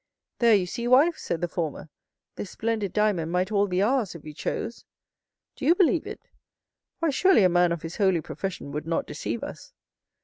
0335m "There, you see, wife," said the former, "this splendid diamond might all be ours, if we chose!" "Do you believe it?" "Why, surely a man of his holy profession would not deceive us!"